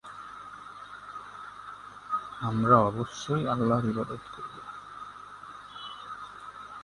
সংস্করণ: